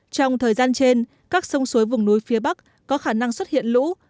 trong thời gian trên các sông suối vùng núi phía bắc có khả năng xuất hiện lũ